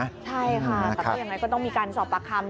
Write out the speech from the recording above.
ใช่ค่ะแต่ก็อย่างไรก็ต้องมีการสอบปากคำ